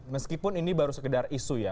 meskipun ini baru sekedar isu ya